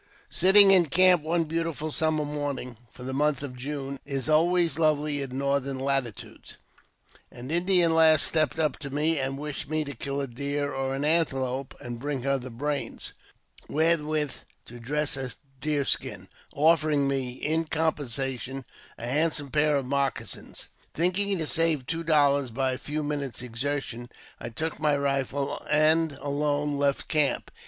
SITTING in camp one beautiful summer morning — for th& month of June is always lovely in northern latitudes — an Indian lass stepped up to me, and wished me to kill a deer or an antelope, and bring her the brains, wherewith to dress a deer skin, offering me, in compensation, a handsome pair of moccasins. Thinking to save two dollars by a few minutes ' exertion, I took my rifle and alone left camp.